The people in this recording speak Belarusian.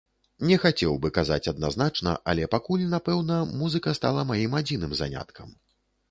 Не хацеў бы казаць адназначна, але пакуль, напэўна, музыка стала маім адзіным заняткам.